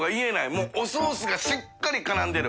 發おソースがしっかり絡んでる。